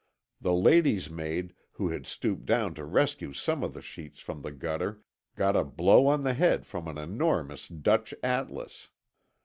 The lady's maid who had stooped down to rescue some of the sheets from the gutter got a blow on the head from an enormous Dutch atlas.